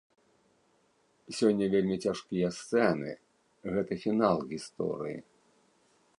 Сёння вельмі цяжкія сцэны, гэта фінал гісторыі.